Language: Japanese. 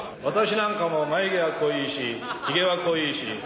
私なんかも眉毛は濃いしひげは濃いし。